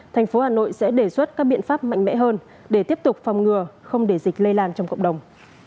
tp hà nội sẽ đề xuất các biện pháp mạnh mẽ hơn để tiếp tục phòng ngừa không để dịch lây làng trong cộng đồng